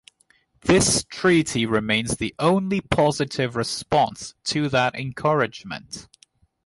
This treaty remains the only "positive response" to that encouragement.